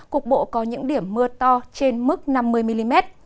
cục bộ có những điểm mưa to trên mức năm mươi mm